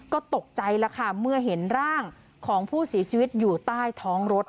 ก็ตกใจแล้วค่ะเมื่อเห็นร่างของผู้เสียชีวิตอยู่ใต้ท้องรถ